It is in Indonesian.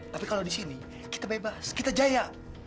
tapi kalau di sini kita bebas kita jaya